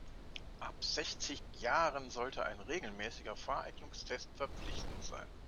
Ab sechzig Jahren sollte ein regelmäßiger Fahreignungstest verpflichtend sein.